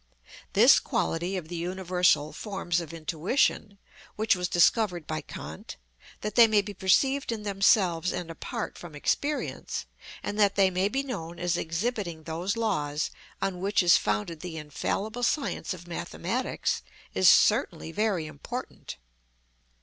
This quality of the universal forms of intuition, which was discovered by Kant, that they may be perceived in themselves and apart from experience, and that they may be known as exhibiting those laws on which is founded the infallible science of mathematics, is certainly very important.